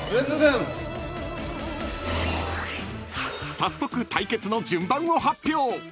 ［早速対決の順番を発表］